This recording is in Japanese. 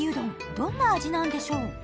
どんな味なんでしょう？